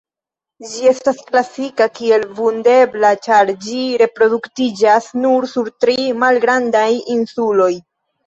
Ĝi estas klasita kiel vundebla ĉar ĝi reproduktiĝas nur sur tri malgrandaj insuloj.